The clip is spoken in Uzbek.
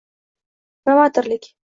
Novatorlik